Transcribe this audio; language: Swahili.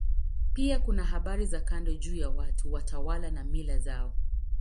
Pia kuna habari za kando juu ya watu, watawala na mila zao.